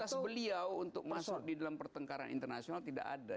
tugas beliau untuk masuk di dalam pertengkaran internasional tidak ada